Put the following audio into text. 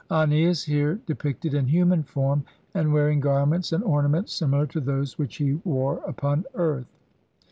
Ani is here de picted in human form, and wearing garments and ornaments similar to those which he wore upon earth.